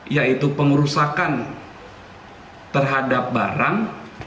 yaitu pengerusakan terhadap barang